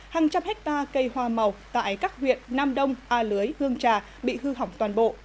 hàng trăm hectare cây hoa màu tại các huyện nam đông a lưới hương trà bị hư hỏng toàn bộ